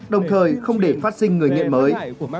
đồng thời không để phát sinh người nghiện mới